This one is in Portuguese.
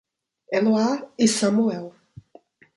Eloá e Samuel